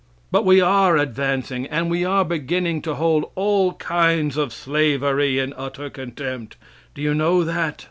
But we are advancing, and we are beginning to hold all kinds of slavery in utter contempt; do you know that?